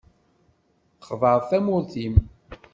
Txedɛeḍ tamurt-im.